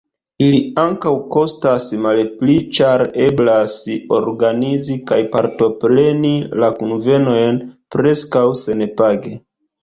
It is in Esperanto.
Ili ankaŭ kostas malpli, ĉar eblas organizi kaj partopreni la kunvenojn preskaŭ senpage.